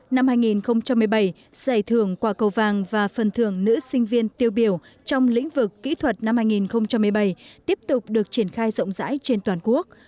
năm hai nghìn một mươi bảy giải thưởng quả cầu vàng và phần thưởng nữ sinh viên tiêu biểu trong lĩnh vực kỹ thuật năm hai nghìn một mươi bảy tiếp tục được triển khai rộng rãi trên toàn quốc